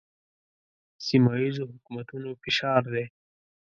سیمه ییزو حکومتونو فشار دی.